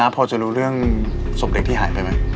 พอจะรู้เรื่องศพเด็กที่หายไปไหม